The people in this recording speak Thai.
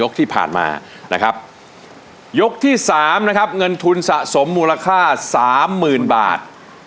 ที่ผ่านมานะครับยกที่สามนะครับเงินทุนสะสมมูลค่าสามหมื่นบาท